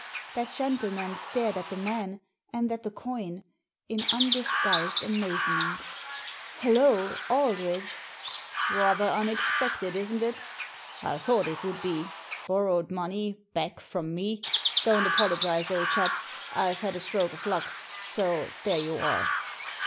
That gentleman stared at the man, and at the coin, in undisguised amazement *' Hollo, Aldridge!" "Rather imexpected, isn't it? I thought it would be — ^borrowed money back from me ! Don't apologise, old chap ! I've had a stroke of luck — so there you are!"